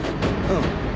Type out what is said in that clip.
うん。